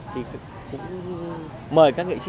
thì cũng mời các nghệ sĩ